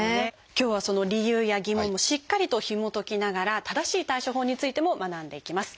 今日はその理由や疑問もしっかりとひもときながら正しい対処法についても学んでいきます。